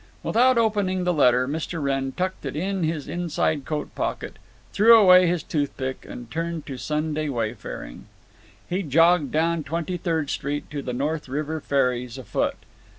Without opening the letter Mr. Wrenn tucked it into his inside coat pocket, threw away his toothpick, and turned to Sunday wayfaring. He jogged down Twenty third Street to the North River ferries afoot.